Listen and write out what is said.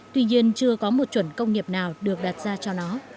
tuy nhiên chưa có một chuẩn công nghiệp nào được đặt ra cho nó